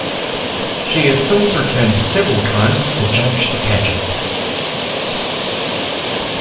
She has since returned several times to judge the pageant.